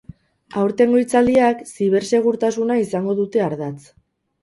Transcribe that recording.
Aurtengo hitzaldiak zibersegurtasuna izango dute ardatz.